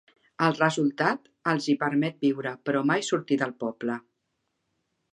El resultat els hi permet viure, però mai sortir del poble.